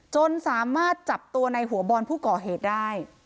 จนสามารถจับตัวในหัวบอลผู้ก่อเหตุได้